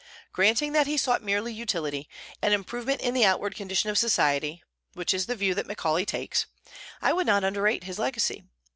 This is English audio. Granting that he sought merely utility, an improvement in the outward condition of society, which is the view that Macaulay takes, I would not underrate his legacy.